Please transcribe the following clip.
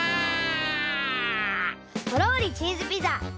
とろりチーズピザ。